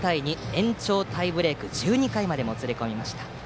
延長タイブレーク１２回までもつれ込みました。